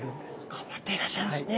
頑張っていらっしゃるんですね。